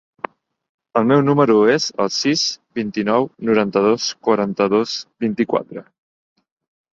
El meu número es el sis, vint-i-nou, noranta-dos, quaranta-dos, vint-i-quatre.